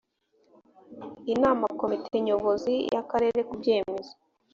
inama komite nyobozi y’akarere ku byemezo